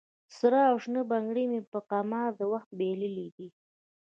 سره او شنه بنګړي مې په قمار د وخت بایللې دي